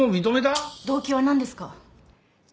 動機はなんですか？